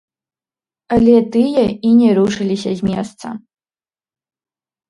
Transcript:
Але тыя і не рушыліся з месца.